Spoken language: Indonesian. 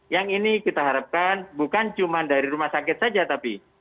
yang ini kita harapkan bukan cuma dari rumah sakit saja tapi